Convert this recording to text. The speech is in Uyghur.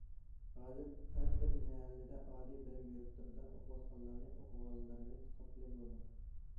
ھازىر ھەر بىر مەھەللىدە ئالىي بىلىم يۇرتلىرىدا ئوقۇۋاتقانلارنى، ئوقۇغانلىرىنى تاپقىلى بولىدۇ.